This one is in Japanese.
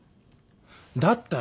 だったら。